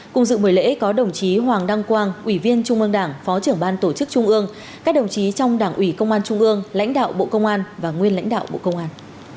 cùng dự buổi lễ có đồng chí hoàng đăng quang ủy viên trung ương đảng phó trưởng ban tổ chức trung ương các đồng chí trong đảng ủy công an trung ương lãnh đạo bộ công an và nguyên lãnh đạo bộ công an